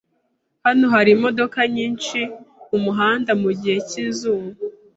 Hano hari imodoka nyinshi mumuhanda mugihe cyizuba.